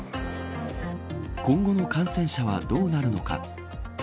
今後の感染者はどうなるのか。